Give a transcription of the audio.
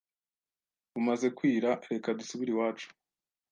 Bumaze kwira. Reka dusubire iwacu.